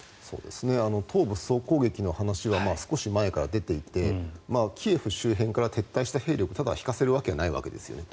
東部総攻撃の話は少し前から出ていてキーウ周辺から撤退した兵力を集めることはないんですね。